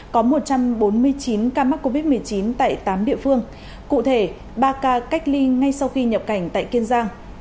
có một trăm bốn mươi chín ca mắc covid một mươi chín tại tám địa phương cụ thể ba ca cách ly ngay sau khi nhập cảnh tại kiên giang